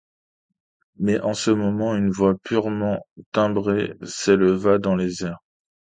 Mais, en ce moment, une voix purement timbrée s’éleva dans les airs.